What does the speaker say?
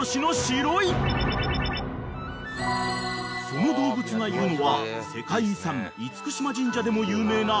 ［その動物がいるのは世界遺産嚴島神社でも有名な］